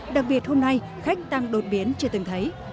đặc biệt hôm nay khách tăng đột biến chưa từng thấy